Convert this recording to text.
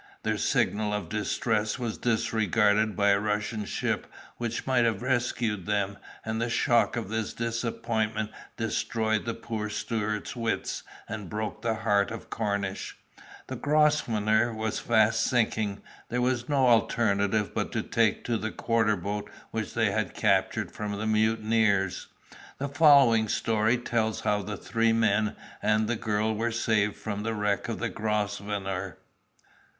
Their signal of distress was disregarded by a Russian ship which might have rescued them, and the shock of this disappointment destroyed the poor steward's wits and broke the heart of Cornish. The Grosvenor was fast sinking; there was no alternative but to take to the quarter boat which they had captured from the mutineers. The following story tells how the three men and the girl were saved from the wreck of the Grosvenor.